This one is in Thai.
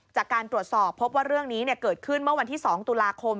จากการตรวจสอบพบว่าเรื่องนี้เกิดขึ้นเมื่อวันที่๒ตุลาคม